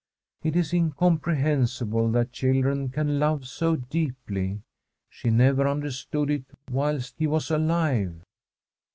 It is incomprehensible that children can love so deeply. She never understood it whilst he was alive.